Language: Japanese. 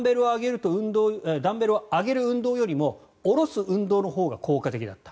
ダンベルを上げる運動よりも下ろす運動のほうが効果的だった。